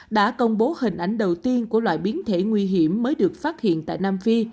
đã công bố hình ảnh đầu tiên của loại biến thể nguy hiểm mới được phát hiện tại nam phi